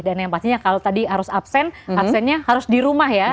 dan yang pastinya kalau tadi harus absen absennya harus di rumah ya